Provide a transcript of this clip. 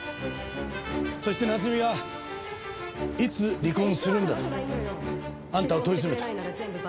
そして夏美はいつ離婚するんだとあんたを問い詰めた。